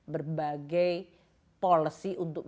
berbagai policy untuk